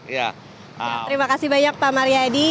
terima kasih banyak pak mariadi